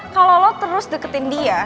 kalau lo terus deketin dia